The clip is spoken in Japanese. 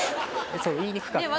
そう言いにくかった。